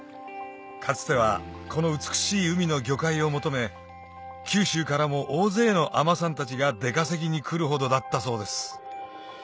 かつてはこの美しい海の魚介を求め九州からも大勢の海女さんたちが出稼ぎに来るほどだったそうです